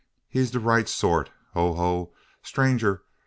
He de right sort. Ho! ho! 'tranger!